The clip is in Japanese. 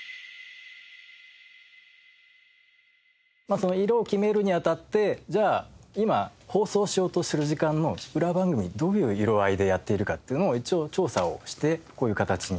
その色を決めるにあたってじゃあ今放送しようとしてる時間の裏番組どういう色合いでやっているかっていうのを一応調査をしてこういう形になってます。